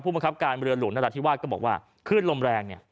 บังคับการเรือหลวงนราธิวาสก็บอกว่าขึ้นลมแรงเนี่ย